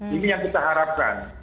ini yang kita harapkan